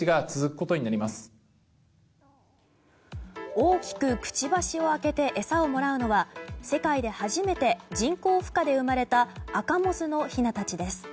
大きくくちばしを開けて餌をもらうのは世界で初めて人工ふ化で生まれたアカモズのひなたちです。